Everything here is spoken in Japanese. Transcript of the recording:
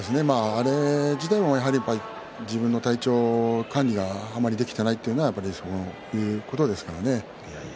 あれ自体も自分の体調管理があまりできていないということですからね。